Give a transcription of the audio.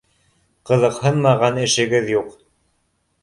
Ҡыҙыҡһынмаған эшегеҙ юҡ